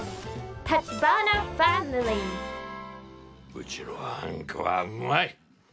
うちのあんこはうまい。